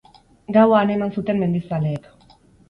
Gaua han eman zuten mendizaleek.